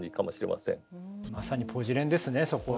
まさにぽじれんですねそこは。